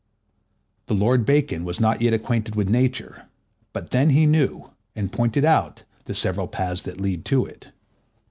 The Lord Bacon was not yet acquainted with Nature, but then he knew, and pointed out, the several paths that lead to it.